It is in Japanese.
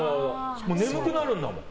眠くなるんだもん。